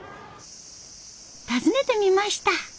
訪ねてみました。